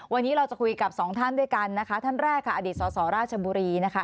วันนี้เราจะคุยกับสองท่านด้วยกันนะคะท่านแรกค่ะอดีตสสราชบุรีนะคะ